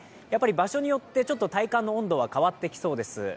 場所によってちょっと体感の温度は変わってきそうです。